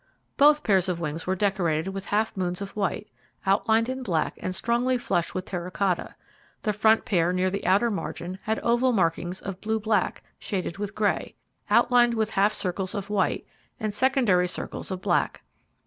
Both pairs of wings were decorated with half moons of white, outlined in black and strongly flushed with terra cotta; the front pair near the outer margin had oval markings of blue black, shaded with grey, outlined with half circles of white, and secondary circles of black.